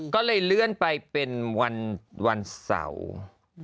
ก็เลยเลื่อนไปเป็นวันเสาร์